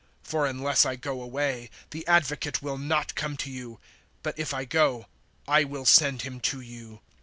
For unless I go away, the Advocate will not come to you; but if I go, I will send Him to you.